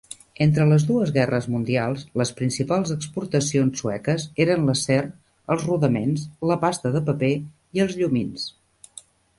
Entre les dues guerres mundials, les principals exportacions sueques eren l'acer, els rodaments, la pasta de paper i els llumins.